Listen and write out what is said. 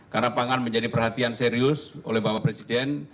karena pangan menjadi perhatian serius oleh bapak presiden